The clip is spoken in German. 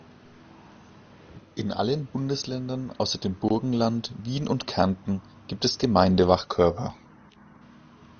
In allen Bundesländern außer dem Burgenland, Wien und Kärnten gibt es Gemeindewachkörper.